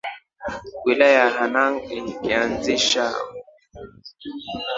Wilaya ya Hanang ikianzisha wilwyw yw Babati